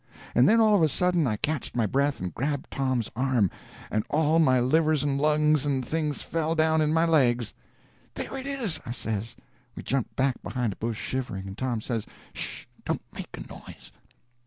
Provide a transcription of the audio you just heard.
And then all of a sudden I catched my breath and grabbed Tom's arm, and all my livers and lungs and things fell down into my legs. "There it is!" I says. We jumped back behind a bush shivering, and Tom says: "'Sh!—don't make a noise."